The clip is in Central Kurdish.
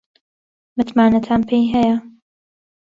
متمانەتان پێی هەیە؟